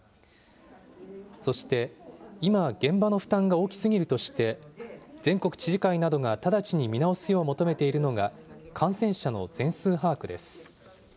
そして、今、現場の負担が大きすぎるとして、全国知事会などが直ちに見直すよう求めているのが、感染者の全数把握です。